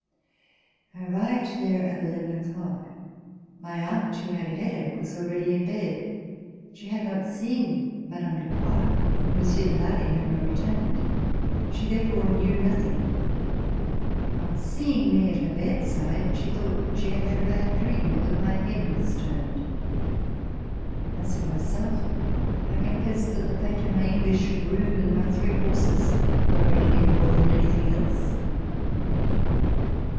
I arrived there at eleven o'clock. My aunt, who had a head ache, was already in bed. She had not seen Mme. [8i] RECOLLECTIONS OF THE REVOLUTION de Poix, and Monsieur de Lally had not returned. She therefore knew nothing. On seeing me at her bedside she thought that she had a bad dream or that my head was turned. As for myself, I confess that the fate of my English groom and my three horses worried me more than anything else.